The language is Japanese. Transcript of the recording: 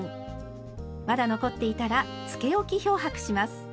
まだ残っていたらつけ置き漂白します。